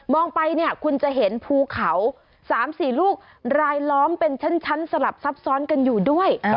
ไปเนี่ยคุณจะเห็นภูเขา๓๔ลูกรายล้อมเป็นชั้นสลับซับซ้อนกันอยู่ด้วย